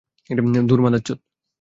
ধুর, মাদারচোত!